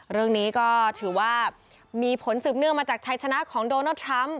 เรื่องนี้ก็ถือว่ามีผลสืบเนื่องมาจากชัยชนะของโดนัลดทรัมป์